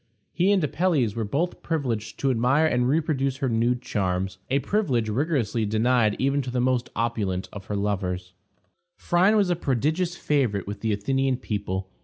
He and Apelles were both privileged to admire and reproduce her nude charms, a privilege rigorously denied even to the most opulent of her lovers. Phryne was a prodigious favorite with the Athenian people.